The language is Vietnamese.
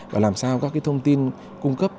và làm sao các thông tin cung cấp